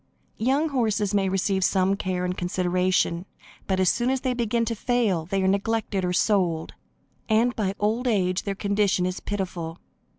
Young horses may receive some care and consideration, but, as soon as they begin to fail, they are neglected or sold, and by old age their condition is pitiful.